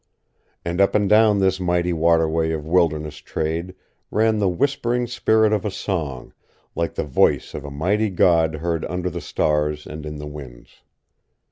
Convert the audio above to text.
And up and down this mighty waterway of wilderness trade ran the whispering spirit of song, like the voice of a mighty god heard under the stars and in the winds.